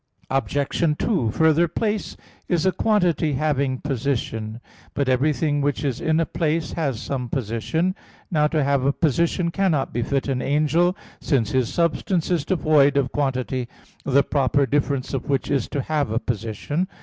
Obj. 2: Further, place is a "quantity having position." But everything which is in a place has some position. Now to have a position cannot befit an angel, since his substance is devoid of quantity, the proper difference of which is to have a position.